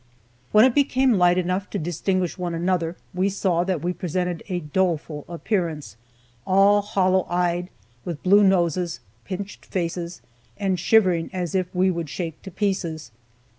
When it became light enough to distinguish one another, we saw that we presented a doleful appearance all hollow eyed, with blue noses, pinched faces, and shivering as if we would shake to pieces.